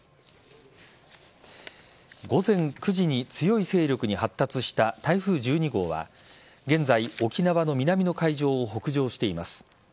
午前９時に強い勢力に発達した台風１２号は現在沖縄の南の海上を北上しています。